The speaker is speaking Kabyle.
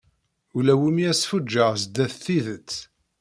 Ulawumi asfuǧǧeɣ zdat tidett.